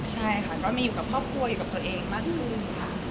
ใช่ค่ะก็มีอยู่กับครอบครัวอยู่กับตัวเองมากขึ้นค่ะ